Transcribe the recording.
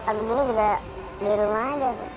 kalau begini juga di rumah aja